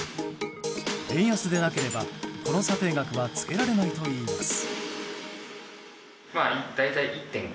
円安でなければ、この査定額はつけられないといいます。